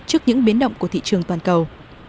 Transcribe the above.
trước những biến động của thị trường toàn cầu